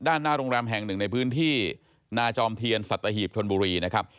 หน้าโรงแรมแห่งหนึ่งในพื้นที่นาจอมเทียนสัตหีบชนบุรีนะครับ